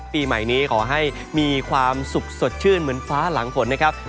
ปีใหม่นี้ขอให้มีความสุขสดชื่นเหมือนฟ้าหลังฝนนะครับ